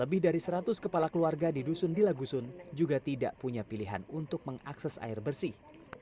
lebih dari seratus kepala keluarga di dusun di lagusun juga tidak punya pilihan untuk mengakses air bersih